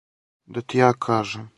Да ти ја кажем.